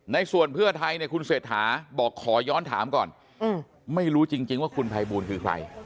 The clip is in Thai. ในส่วนเพื่อไทยเนี่ยคุณเศรษฐาบอกขอย้อนถามก่อนไม่รู้จริงว่าคุณภัยบูลคือใคร